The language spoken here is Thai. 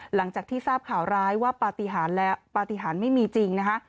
หลังจากที่ทราบข่าวไร้ว่าปฏิหารไม่มีจริงนะคะ